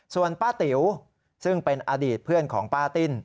ส่วนป้าติ๋วซึ่งเป็นอดีตเพื่อนของป้าติ้น